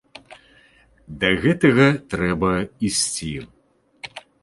Да гэтага трэба ісці.